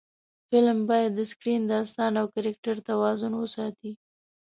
فلم باید د سکرېن، داستان او کرکټر توازن وساتي